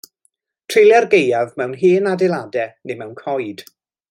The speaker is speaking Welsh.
Treulia'r gaeaf mewn hen adeiladau neu mewn coed.